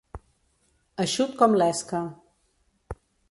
Eixut com l'esca.